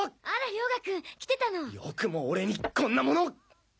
あら良牙くん来てたのよくも俺にこんな物！